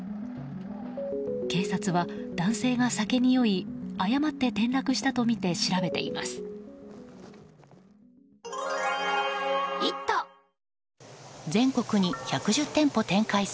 警察は男性が酒に酔い誤って転落したとみて調べています。